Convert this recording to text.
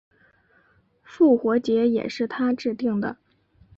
复活节也是他制定的。